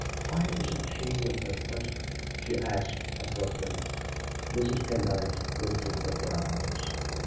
"Why isn't she with her husband?" she asked abruptly. Mrs. Pendyce lifted her brows.